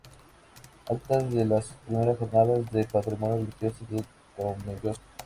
Actas de las I Jornadas de Patrimonio Religioso de Tomelloso".